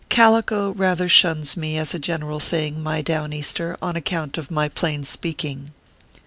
"Calico rather shuns me, as a general thing, my Down easter, on account of my plain speaking."